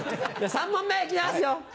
３問目行きますよ！